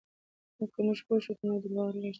که موږ پوه شو، نو د درواغو له شته هوسایونکی شي.